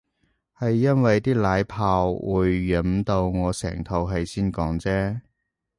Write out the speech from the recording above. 係因為啲奶泡會飲到我成肚氣先講啫